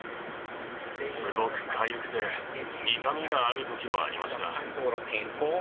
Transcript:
すごくかゆくて、痛みがあるときもありました。